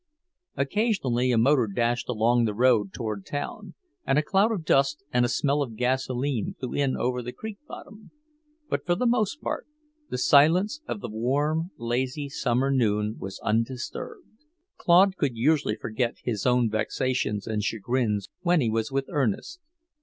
Occasionally a motor dashed along the road toward town, and a cloud of dust and a smell of gasoline blew in over the creek bottom; but for the most part the silence of the warm, lazy summer noon was undisturbed. Claude could usually forget his own vexations and chagrins when he was with Ernest.